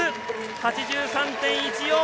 ８３．１４。